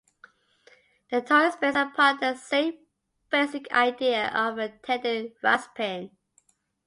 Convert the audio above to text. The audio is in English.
The toy is based upon the same basic idea of a Teddy Ruxpin.